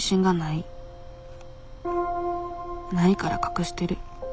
ないから隠してる。